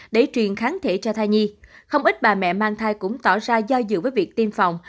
để truyền kháng thể cho thai nhi không ít bà mẹ mang thai cũng tỏ ra do dự với việc tiêm phòng